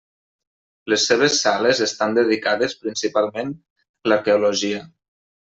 Les seves sales estan dedicades principalment l'arqueologia.